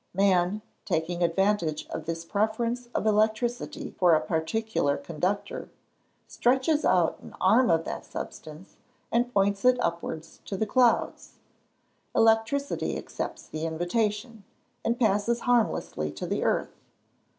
Man, taking advantage of this preference of electricity for a particular conductor, stretches out an arm of that substance, and points it upwards to the clouds; electricity accepts the invitation, and passes harmlessly to the earth.